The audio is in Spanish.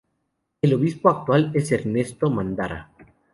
El obispo actual es Ernesto Mandara.